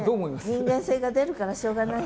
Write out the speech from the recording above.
人間性が出るからしょうがない。